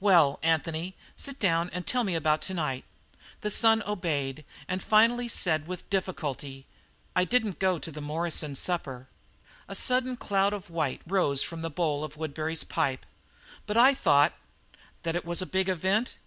"Well, Anthony, sit down and tell me about tonight." The son obeyed, and finally said, with difficulty: "I didn't go to the Morrison supper." A sudden cloud of white rose from the bowl of Woodbury's pipe. "But I thought " "That it was a big event?